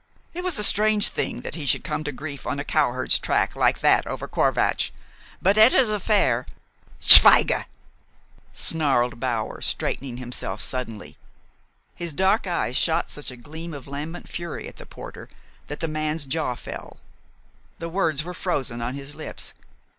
It was a strange thing that he should come to grief on a cowherd's track like that over Corvatsch. But Etta's affair " "Schweige!" snarled Bower, straightening himself suddenly. His dark eyes shot such a gleam of lambent fury at the porter that the man's jaw fell. The words were frozen on his lips.